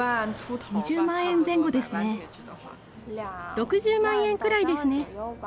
６０万円くらいですね。